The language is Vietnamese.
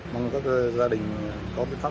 mong các gia đình có pháp luật